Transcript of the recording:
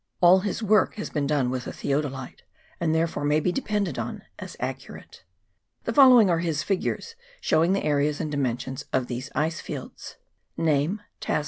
All his work has been done with a theodolite, and therefore may be depended on as accurate. The following are his figures, showing the areas and dimensions of these ice fields :— Name.